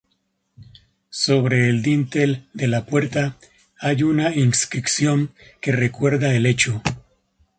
Sobre el dintel de la puerta hay una inscripción que recuerda el hecho.